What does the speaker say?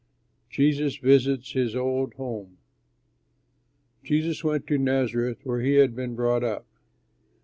JESUS VISITS HIS OLD HOME Jesus went to Nazareth where he had been brought up.